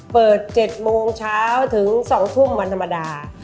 เปิด๗โมงเช้าถึง๒ทุ่มวันธรรมดา